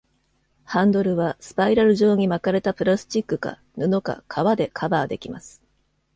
ハンドルは、スパイラル状に巻かれたプラスチックか、布か、皮でカバーできます。